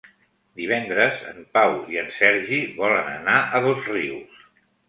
Divendres en Pau i en Sergi volen anar a Dosrius.